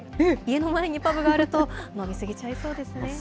家の前にパブがあると、飲み過ぎちゃいそうですね。